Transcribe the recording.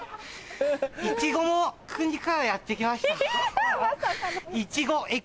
いちごの国からやって来ました。